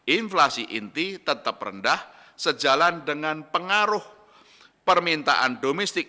inflasi inti tetap rendah sejalan dengan pengaruh permintaan domestik